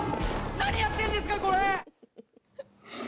何やってんですか、これ！